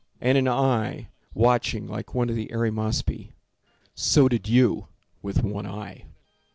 And an eye watching like one of the Arimaspi— So did you—with one eye.